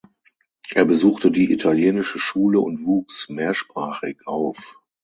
Er besuchte die italienische Schule und wuchs mehrsprachig auf.